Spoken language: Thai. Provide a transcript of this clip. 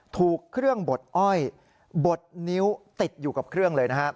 ถูกเครื่องบดอ้อยบดนิ้วติดอยู่กับเครื่องเลยนะครับ